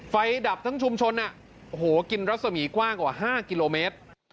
ดับทั้งชุมชนกินรัศมีกว้างกว่า๕กิโลเมตร